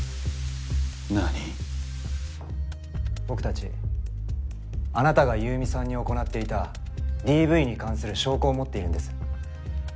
僕たちあなたが優美さんに行っていたＤＶに関する証拠を持っているんです。